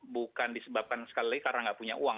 bukan disebabkan sekali lagi karena nggak punya uang